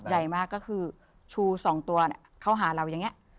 ใหญ่มากก็คือชู๒ตัวเข้าหาเราอย่างนี้